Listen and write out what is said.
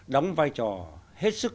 đóng vai trò hết sức